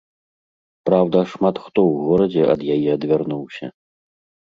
Праўда, шмат хто ў горадзе ад яе адвярнуўся.